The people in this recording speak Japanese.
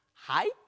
はい。